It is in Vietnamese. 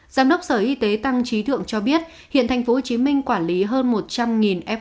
giám đốc sở y tế tăng trí thượng cho biết hiện tp hcm quản lý hơn một trăm linh f